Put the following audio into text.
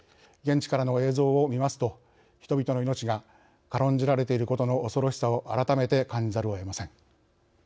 現地からの映像を見ますと人々の命が軽んじられていることの恐ろしさを改めて感じざるをえません。